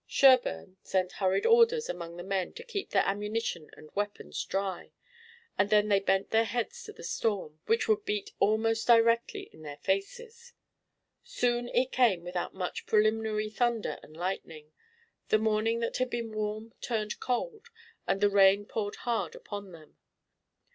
Sherburne sent hurried orders among the men to keep their ammunition and weapons dry, and then they bent their heads to the storm which would beat almost directly in their faces. Soon it came without much preliminary thunder and lightning. The morning that had been warm turned cold and the rain poured hard upon them.